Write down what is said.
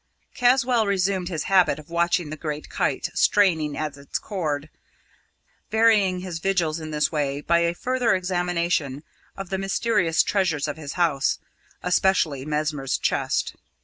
Caswall resumed his habit of watching the great kite straining at its cord, varying his vigils in this way by a further examination of the mysterious treasures of his house, especially Mesmer's chest.